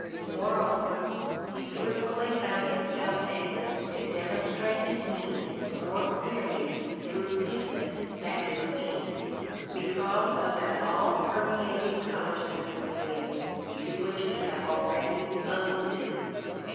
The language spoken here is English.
Moreover, he frequently found himself able to demonstrate his A DAY WITH ROSSETTL meaning more clearly through pigment than through ink : because of that all permeating colour sense of his to which we have already alluded.